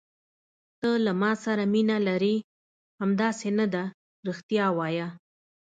ته له ما سره مینه لرې، همداسې نه ده؟ رښتیا وایه.